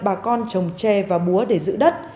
bà con trồng tre và búa để giữ đất